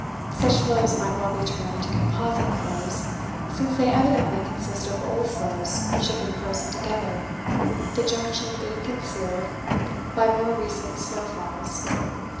Such floes might well be termed 'composite' floes, since they evidently consist of old floes which have been frozen together the junction being concealed by more recent snow falls.